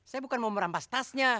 saya bukan mau merampas tasnya